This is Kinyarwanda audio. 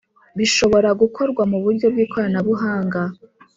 bishobora gukorwa mu buryo bw’ikoranabuhanga